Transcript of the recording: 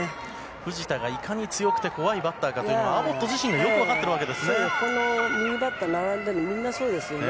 藤田がいかに強くて怖いバッターかというのはアボット自身がよく分かってるわけですね。